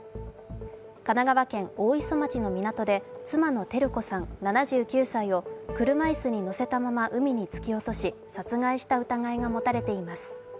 神奈川県大磯町の港で妻の照子さん７９歳を車椅子に乗せたまま海に突き落とし殺害した疑いが持たれています。